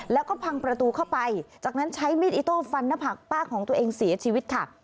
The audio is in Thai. แล้วก็พังประตูเข้าไปจากนั้นใช้มีดอิโต้ฟันหน้าผักป้าของตัวเองเสียชีวิตค่ะ